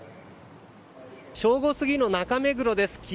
正午過ぎの中目黒です。